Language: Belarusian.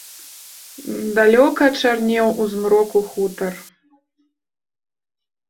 Далёка чарнеў у змроку хутар.